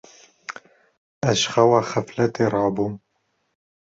Ez ji xewa xefletê rabûm.